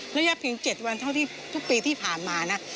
ระยะเพียง๗วันเท่าที่ทุกปีที่ผ่านมานะ